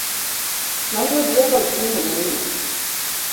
Noyudre ka Ochung' e nyima.